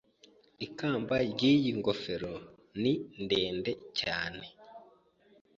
Ikamba ryiyi ngofero ni ndende cyane.